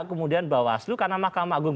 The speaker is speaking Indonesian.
kemudian bawaslu karena mahkamah agung